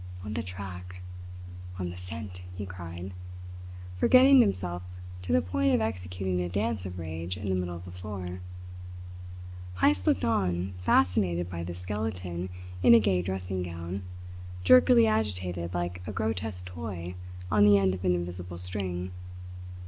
"On the track! On the scent!" he cried, forgetting himself to the point of executing a dance of rage in the middle of the floor. Heyst looked on, fascinated by this skeleton in a gay dressing gown, jerkily agitated like a grotesque toy on the end of an invisible string.